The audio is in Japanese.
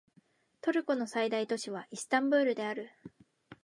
トルコの最大都市はイスタンブールである